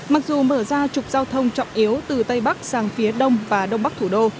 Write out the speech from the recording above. mặc dù mở ra trục giao thông trọng yếu từ tây bắc sang phía đông và đông bắc thủ đô